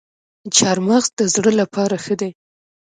چهارمغز د زړه لپاره ښه دي